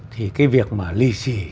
thì cái việc mà ly xì